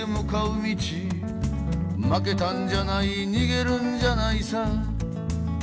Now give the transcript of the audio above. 「負けたんじゃない逃げるんじゃないさ」